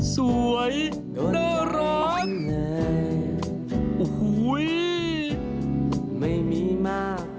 สวยน่ารัก